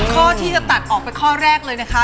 ข้อที่จะตัดออกเป็นข้อแรกเลยนะคะ